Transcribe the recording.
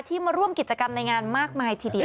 มาร่วมกิจกรรมในงานมากมายทีเดียว